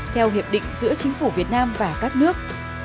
theo hiệp định giữa chính phủ việt nam và các nước